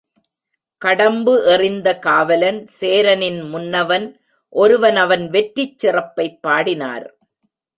கடம்பு எறிந்த காவலன் சேரனின் முன்னவன் ஒருவன் அவன் வெற்றிச் சிறப்பைப் பாடினர்.